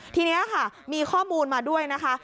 ทีนี้ค่ะมีข้อมูลมาด้วยนะคะ